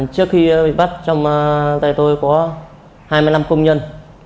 trước khi bị bắt trong tay tôi có hai mươi năm công nhân